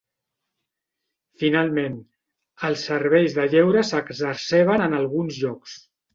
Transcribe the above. Finalment, els serveis de lleure s'exacerben en alguns llocs.